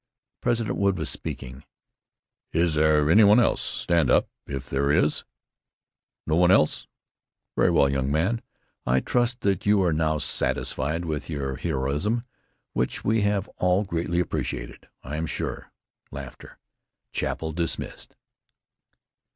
President Wood was speaking. "Is there any one else? Stand up, if there is. No one else? Very well, young men, I trust that you are now satisfied with your heroism, which we have all greatly appreciated, I am sure. Chapel dismissed."